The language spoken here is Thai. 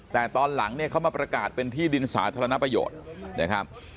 แต่ตอนหลังเนี่ยเขามาประกาศเป็นที่ดินสาธารณประโยชน์นะครับ